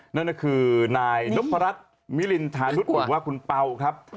นั่นก็คือนายนมภรรัฐมิรินทานุศอุวะคุณเป้าครับ